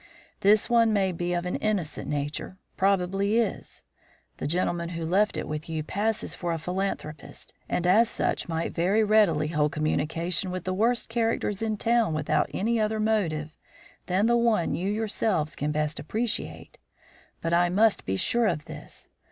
This one may be of an innocent nature; probably is. The gentleman who left it with you passes for a philanthropist, and as such might very readily hold communication with the worst characters in town without any other motive than the one you yourselves can best appreciate. But I must be sure of this.